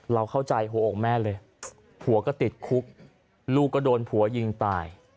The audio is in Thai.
เราเข้าใจหัวอกแม่เลยผัวก็ติดคุกลูกก็โดนผัวยิงตาย